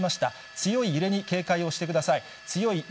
強い揺れに警戒をしてください。